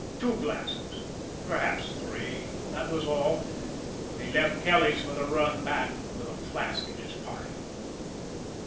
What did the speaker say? Two glasses, perhaps three, that was all but he left Kelly's for the run back with a flask in his pocket.